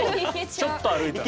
ちょっと歩いたら。